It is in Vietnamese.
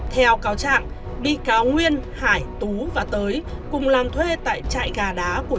theo cáo chạm bị cáo nguyên hải tú và tới cùng làm thuê tại chạy gà đá